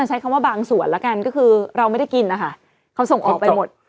ใช้คำว่าบางส่วนแล้วกันก็คือเราไม่ได้กินนะคะเขาส่งออกไปหมด